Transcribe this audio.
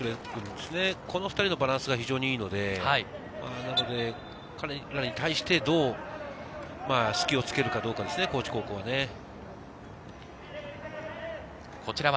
８番、この２人のバランスが非常にいいので彼らに対してどう隙をつけるかどうかですね、高知高校は。